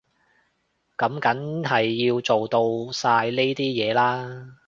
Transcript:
噉梗係要做到晒呢啲嘢啦